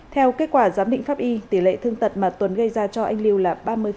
theo kết quả giám định pháp y tỷ lệ thương tật mà tuấn gây ra cho anh lưu là ba mươi